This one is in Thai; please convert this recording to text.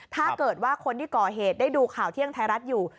ถ้าเกิดว่าคนที่ก่อเหตุได้ดูข่าวเที่ยงไทยรัฐอยู่